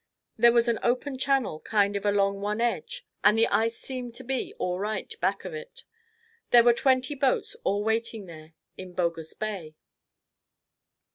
There was an open channel kind of along one edge and the ice seemed to be all right back of it. There were twenty boats all waiting there in Bogus Bay.